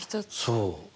そう。